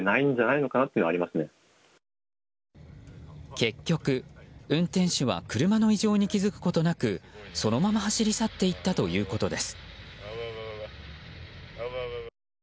結局、運転手は車の異常に気付くことなくそのまま走り去っていったということです。